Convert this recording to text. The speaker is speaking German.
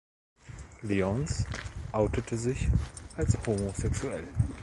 Lyons outete sich als homosexuell.